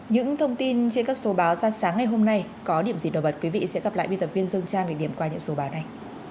những thông tin trên các số báo ra sáng ngày hôm nay có điểm gì nổi bật quý vị sẽ gặp lại biên tập viên dương trang để điểm qua những số báo này